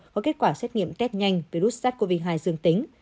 có kết quả xét nghiệm test nhanh virus sars cov hai dương tính